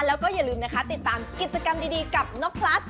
แล้วก็อย่าลืมนะคะติดตามกิจกรรมดีกับนกพลัส